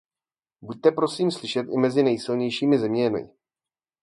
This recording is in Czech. Buďte prosím slyšet i mezi nejsilnějšími zeměmi.